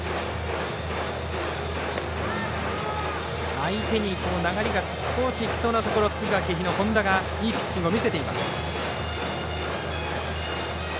相手に流れが少しいきそうなところ敦賀気比の本田がいいピッチング見せています。